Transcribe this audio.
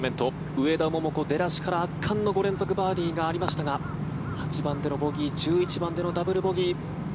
上田桃子、出だしから圧巻の５連続バーディーがありましたが８番でのボギー１１番でのダブルボギー。